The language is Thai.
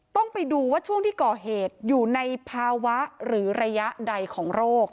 ต้องไปดูว่าช่วงที่ก่อเหตุอยู่ในภาวะหรือระยะใดของโรค